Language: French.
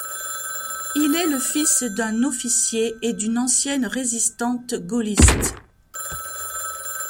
Il est le fils d'un officier et d'une ancienne résistante gaulliste.